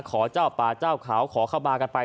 ขอเจ้าป่าเจ้าเขาขอเข้ามากันไป